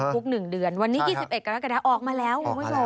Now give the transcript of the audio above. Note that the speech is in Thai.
คุกหนึ่งเดือนวันนี้๒๑กรกฎาคมออกมาแล้ว